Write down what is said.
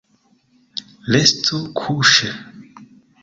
Restu kuŝe.